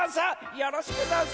よろしくざんす！